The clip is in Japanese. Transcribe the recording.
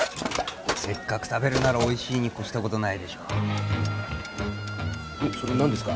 せっかく食べるならおいしいに越したことないでしょそれ何ですか？